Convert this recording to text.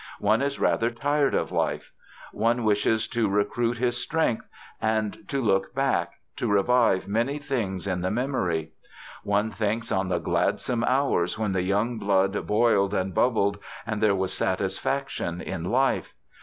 One is rather tired of life. One wishes to recruit his strength and to look back, to revive many things in the memory. One thinks on the gladsome hours when the young blood boiled and bubbled and there was satisfaction in life.